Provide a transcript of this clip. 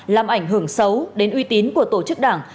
làm ảnh hưởng xấu đến uy tín của tổ chức đảng